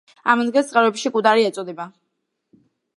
ამ ადგილს წყაროებში კუდარო ეწოდება.